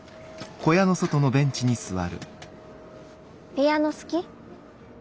ピアノ好き？